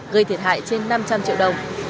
gây thiệt hại trên năm trăm linh triệu đồng